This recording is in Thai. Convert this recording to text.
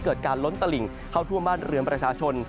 การล้นตลิ่งเข้าท่วมบ้านเรือนประชาชน